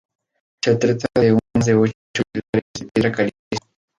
Se trata de un haz de ocho pilares de piedra caliza.